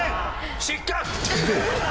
失格！